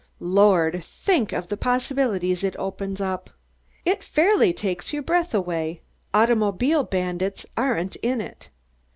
Lord! Think of the possibilities it opens up. It fairly takes your breath away. Automobile bandits aren't in it.